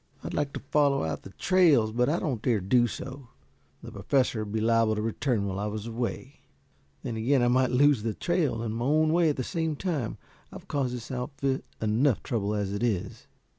"I'd like to follow out the trails, but I don't dare do so. The Professor would be liable to return while I was away. Then again I might lose the trail and my own way at the same time. I've caused this outfit enough trouble as it is."